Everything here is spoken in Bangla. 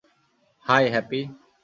High, happy.